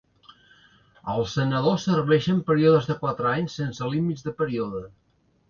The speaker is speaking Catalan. Els senadors serveixen períodes de quatre anys sense límits de període.